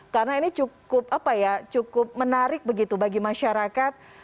karena ini cukup menarik begitu bagi masyarakat